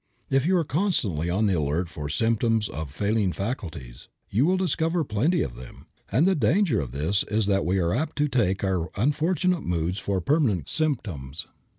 If you are constantly on the alert for symptoms of failing faculties, you will discover plenty of them; and the great danger of this is that we are apt to take our unfortunate moods for permanent symptoms.